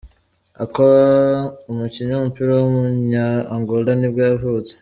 Akwá, umukinnyi w’umupira w’umunya-Angola nibwo yavutse.